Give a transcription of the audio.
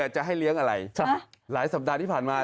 จะให้เลี้ยงอะไรหลายสัปดาห์ที่ผ่านมา